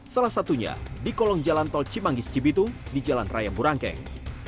salah satunya di kolong jalan tol cimanggis cibitung di jalan raya burangkeng